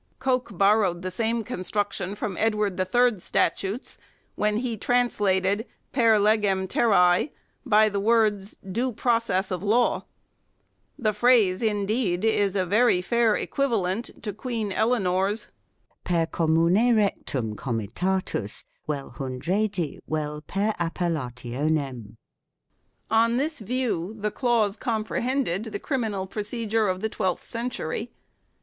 Coke borrowed the same construction from Edward Ill's statutes when he trans lated " per legem terrae " by the words " due process of law " 1 The phrase, indeed, is a very fair equiva lent to Queen Eleanor's "per commune rectum comi tatus uel hundredi uel per appellationem ". On this view the clause comprehended the criminal procedure of the twelfth century.